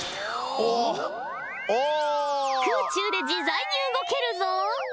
空中で自在に動けるぞ。